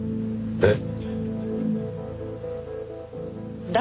えっ？